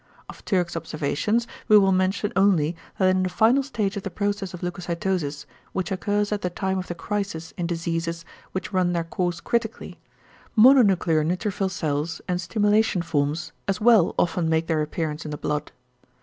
Of Türk's observations we will mention only that in the final stage of the process of leucocytosis, which occurs at the time of the crisis in diseases which run their course critically, mononuclear neutrophil cells and stimulation forms as well often make their appearance in the blood.